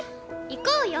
行こうよ。